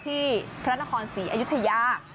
ที่ฆาตนครศรีอยุธยา